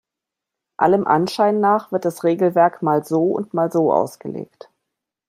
Allem Anschein nach wird das Regelwerk mal so und mal so ausgelegt.